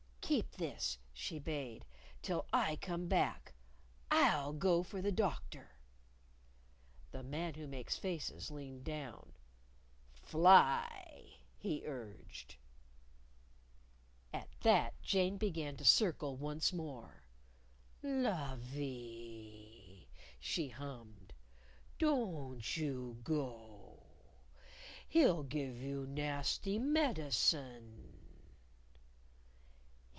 "Keep this," she bade, "till I come back. I'll go for the Doctor." The Man Who Makes Faces leaned down. "Fly!" he urged. At that, Jane began to circle once more. "Lovie," she hummed, "don't you go! He'll give you nasty medicine!"